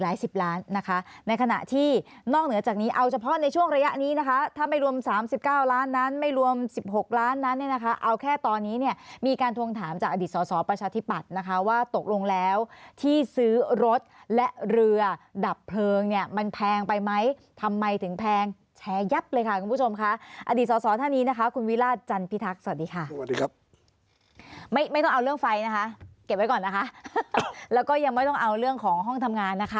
หลาย๑๐ล้านนะคะในขณะที่นอกเหนือจากนี้เอาเฉพาะในช่วงระยะนี้นะคะถ้าไม่รวม๓๙ล้านนั้นไม่รวม๑๖ล้านนั้นเนี่ยนะคะเอาแค่ตอนนี้เนี่ยมีการทวงถามจากอดิษฐ์สอบประชาธิปัตย์นะคะว่าตกลงแล้วที่ซื้อรถและเรือดับเพลิงเนี่ยมันแพงไปไหมทำไมถึงแพงแชร์ยับเลยค่ะคุณผู้ชมค่ะอดิษฐ์สอบสอบท่านี้นะคะคุณ